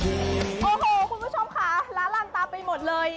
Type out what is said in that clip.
โอ้โฮคุณผู้ชมค่ะระร่าลังตามไปหมดเลย